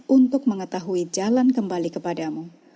untuk mengetahui jalan kembali kepadamu